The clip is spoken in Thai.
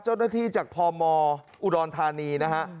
เจ้าหน้าที่จากพมอุดรธานีนะฮะ